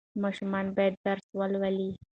ماشومان باید درس ولولي.